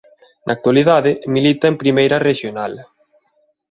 Na actualidade milita en Primeira Rexional.